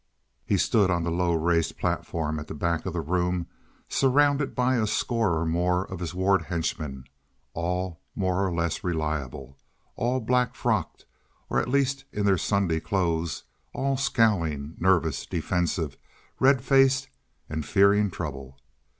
He stood on the low raised platform at the back of the room, surrounded by a score or more of his ward henchmen, all more or less reliable, all black frocked, or at least in their Sunday clothes; all scowling, nervous, defensive, red faced, and fearing trouble.